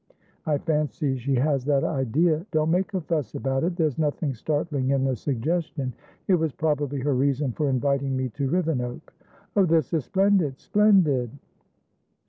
"I fancy she has that idea. Don't make a fuss about it; there's nothing startling in the suggestion. It was probably her reason for inviting me to Rivenoak." "Oh, this is splendidsplendid!"